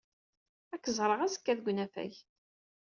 Ad k-ẓreɣ azekka deg unafag.